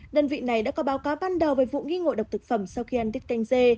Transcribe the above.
đơn vị này đã có báo cáo ban đầu về vụ nghi ngộ độc thực phẩm sau khi ăn tiết canh dê